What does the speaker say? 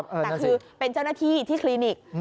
แต่คือเป็นเจ้าหน้าที่ที่คลินิก